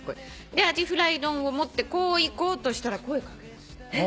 アジフライ丼を持ってこう行こうとしたら声掛けられて。